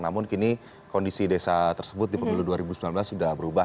namun kini kondisi desa tersebut di pemilu dua ribu sembilan belas sudah berubah